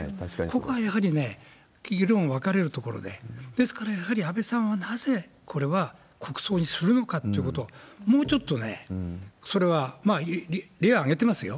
ここはやはり議論分かれるところで、ですからやはり安倍さんはなぜこれは国葬にするのかってことを、もうちょっとそれは、例を挙げてますよ。